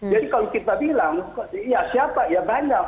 jadi kalau kita bilang ya siapa ya banyak